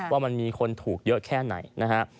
ว่ามันมีคนถูกเยอะแค่ไหนนะฮะ